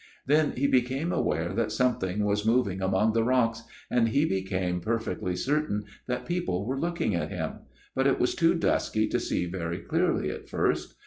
" Then he became aware that something was moving among the rocks, and he became per fectly certain that people were looking at him ; but it was too dusky to see very clearly at first.